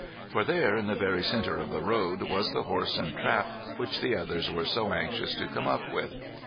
For there, in the very centre of the road, was the horse and trap which the others were so anxious to come up with.